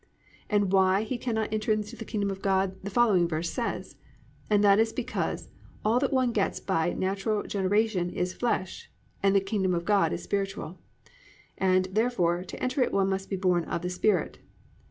And why he cannot enter into the Kingdom of God the following verse says, and that is because all that one gets by natural generation is "Flesh" and the Kingdom of God is spiritual, and, therefore, to enter it one must be born of the Spirit.